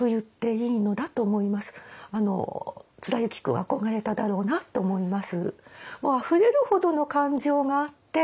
貫之君憧れただろうなって思います。